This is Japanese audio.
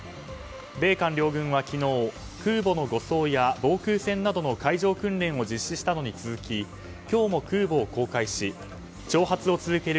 米韓両軍は昨日空母の護送や防空戦などの海上訓練を実施したのに続き今日も空母を公開し挑発を続ける